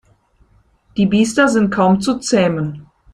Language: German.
Die Biester sind kaum zu zähmen.